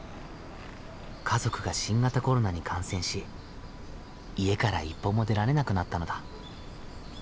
家族が新型コロナに感染し家から一歩も出られなくなったのだ。